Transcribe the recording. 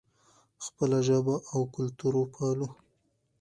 خپله ژبه او کلتور وپالو.